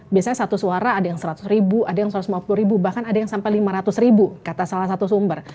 biasanya satu suara ada yang seratus ribu ada yang satu ratus lima puluh ribu bahkan ada yang sampai lima ratus ribu kata salah satu sumber